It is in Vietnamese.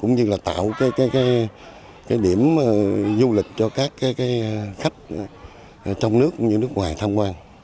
cũng như tạo điểm du lịch cho các khách trong nước và nước ngoài tham quan